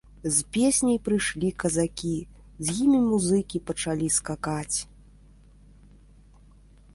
З песняй прыйшлі казакі, з імі музыкі, пачалі скакаць.